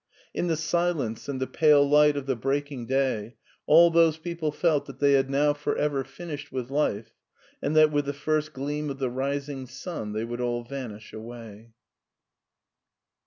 In the silence and the pale light of the breaking day all those people felt that they had now for ever finished with life and that with the first gleam of the rising sun they would all vanish away.